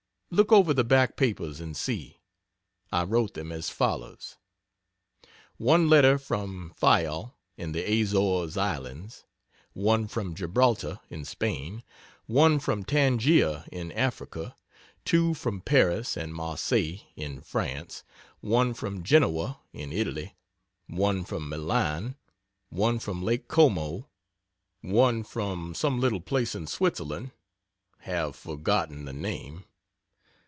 Look over the back papers and see. I wrote them as follows: 1 Letter from Fayal, in the Azores Islands. 1 from Gibraltar, in Spain. 1 from Tangier, in Africa. 2 from Paris and Marseilles, in France. 1 from Genoa, in Italy. 1 from Milan. 1 from Lake Como. 1 from some little place in Switzerland have forgotten the name.